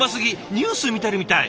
ニュース見てるみたい。